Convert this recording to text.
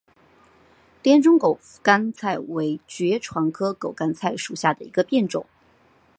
滇中狗肝菜为爵床科狗肝菜属下的一个变种。